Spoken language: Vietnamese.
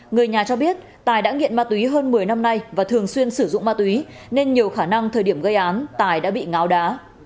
người nhà cho biết tài đã nghiện ma túy hơn một mươi năm nay và thường xuyên sử dụng ma túy nên nhiều khả năng thời điểm gây án tài đã bị ngáo đá